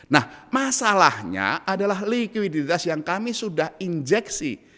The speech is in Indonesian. nah masalahnya adalah likuiditas yang kami sudah injeksi